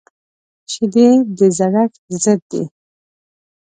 شیدې د زړښت ضد دي